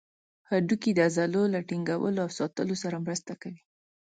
هډوکي د عضلو له ټینګولو او ساتلو سره مرسته کوي.